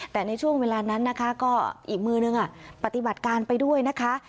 แต่ในช่วงเวลานั้นนะคะก็อีกมือนึงปฏิบัติการไปด้วยนะคะ